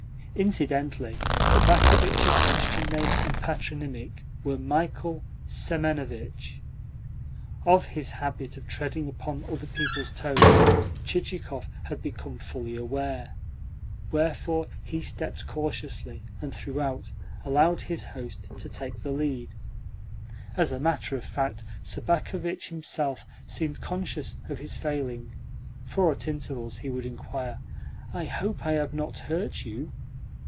Incidentally, Sobakevitch's Christian name and patronymic were Michael Semenovitch. Of his habit of treading upon other people's toes Chichikov had become fully aware; wherefore he stepped cautiously, and, throughout, allowed his host to take the lead. As a matter of fact, Sobakevitch himself seemed conscious of his failing, for at intervals he would inquire: "I hope I have not hurt you?"